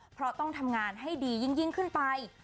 เพราะต้องทำงานให้ดียิ่งขึ้นไป